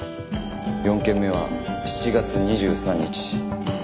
４件目は７月２３日土曜。